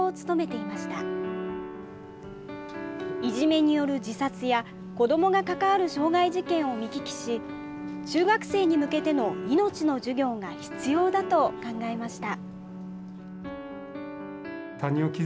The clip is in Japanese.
いじめによる自殺や子どもが関わる傷害事件を見聞きし中学生に向けての命の授業が必要だと考えました。